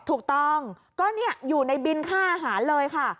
ถูกต้องก็อยู่ในบินค่าอาหารเลยค่ะ